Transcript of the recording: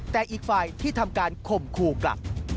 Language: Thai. แต่อีกฝ่ายที่ทำการข่มขู่กลับ